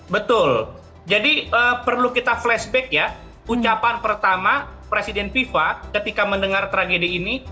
betul jadi perlu kita flashback ya ucapan pertama presiden fifa ketika mendengar tragedi ini